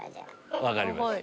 分かりました。